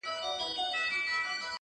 چي د کابل ګرېوان ته اور توی که!.